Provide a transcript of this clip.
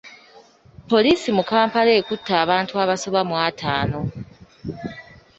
Poliisi mu Kampala ekutte abantu abasoba mu ataano.